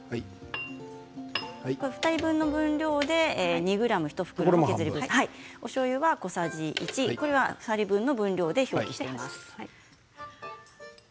２人分の分量で２ｇ、１袋の削り節しょうゆ小さじ１これは２人分の分量で表記してあります。